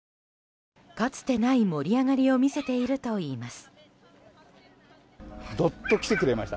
かつてない盛り上がりを見せているといいます。